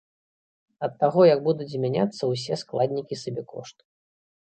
Ад таго, як будуць змяняцца ўсе складнікі сабекошту.